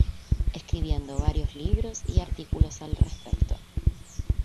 Escribiendo varios libros y artículos al respecto.